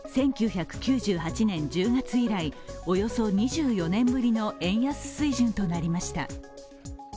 １９９８年１０月以来、およそ２４年ぶりの円安水準となりました。